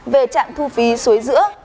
về trạm thu phí suối giữa